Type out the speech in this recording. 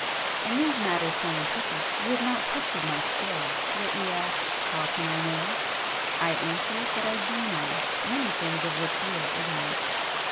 In these 'matters scientific' you have not tested my skill,—yet you ask—'how can I know?' I answer that I do know—many things of which you are ignorant.